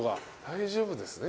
大丈夫ですね？